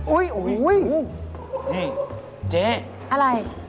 อุ๊ยเจ๊อะไร